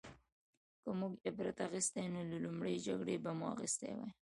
که موږ عبرت اخیستلی نو له لومړۍ جګړې به مو اخیستی وای